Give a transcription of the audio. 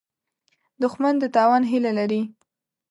دښمن د تاوان هیله لري